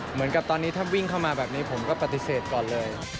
เหมือนกับตอนนี้ถ้าวิ่งเข้ามาแบบนี้ผมก็ปฏิเสธก่อนเลย